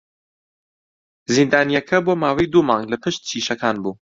زیندانییەکە بۆ ماوەی دوو مانگ لە پشت شیشەکان بوو.